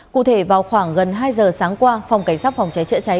cụ thể vào khoảng gần hai giờ sáng qua phòng cảnh sát phòng cháy chữa cháy